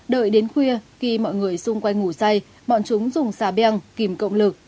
đợi đến khuya khi mọi người xung quanh ngủ say bọn chúng dùng xà beng kìm cộng lực